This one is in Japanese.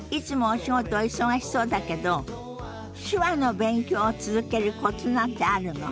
お忙しそうだけど手話の勉強を続けるコツなんてあるの？